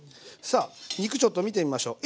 さあ肉ちょっと見てみましょう。